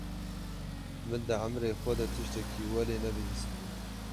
Min di emirê xwe de tiştekî welê ne bihîsti bû.